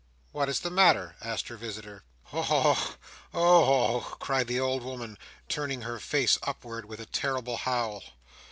"What is the matter?" asked her visitor. "Oho! Oho!" cried the old woman, turning her face upward, with a terrible howl.